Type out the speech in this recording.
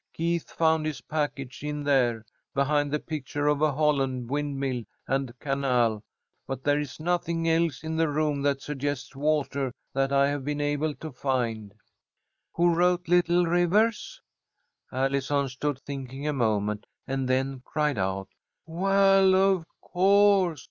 "Keith found his package in there, behind the picture of a Holland windmill and canal, but there is nothing else in the room that suggests water that I have been able to find." "Who wrote 'Little Rivers'?" Allison stood thinking a moment, and then cried out: "Well, of course!